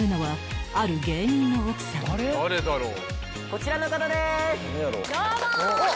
こちらの方です！